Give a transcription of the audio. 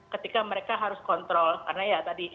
ketika mereka harus kontrol karena ya tadi